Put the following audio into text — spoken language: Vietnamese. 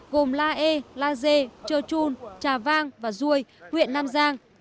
gồm la e la d chơ chun trà vang và duôi huyện nam giang